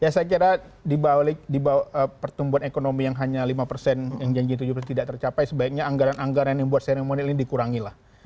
ya saya kira dibalik di bawah pertumbuhan ekonomi yang hanya lima persen yang janji tujuh belas tidak tercapai sebaiknya anggaran anggaran yang buat seremoni ini dikurangi lah